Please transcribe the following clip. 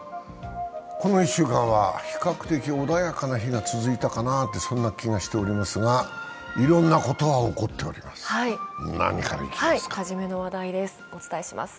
この１週間は比較的穏やかな日が続いたかなと、そんな気がしておりますが、いろんなことが起こっております。